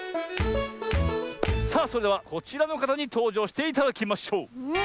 さあそれではこちらのかたにとうじょうしていただきましょう。